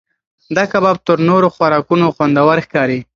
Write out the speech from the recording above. دا کباب تر نورو خوراکونو خوندور ښکاري.